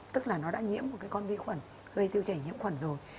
tức là nó đã nhiễm một con vi khuẩn gây tiêu chảy nhiễm khuẩn rồi